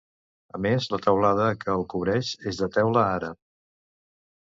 A més, la teulada que el cobreix és de teula àrab.